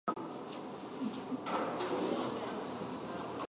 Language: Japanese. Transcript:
桜内梨子